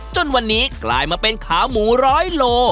จนวันนี้กลายมาเป็นขาหมูร้อยโล